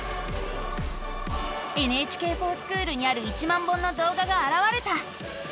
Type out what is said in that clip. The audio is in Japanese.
「ＮＨＫｆｏｒＳｃｈｏｏｌ」にある１万本のどうががあらわれた！